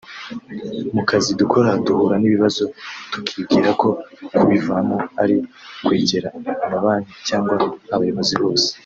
“Mu kazi dukora duhura n’ibibazo tukibwira ko kubivamo ari ukwegera amabanki cyangwa abayobozi bose